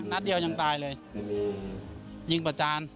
นัดเดียวยังตายเลยยิงประจาน